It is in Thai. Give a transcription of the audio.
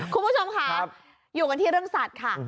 คุณผู้ชมค่ะอยู่กันที่เรื่องสัตว์ค่ะ